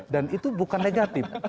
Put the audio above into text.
dan itu bukan negatif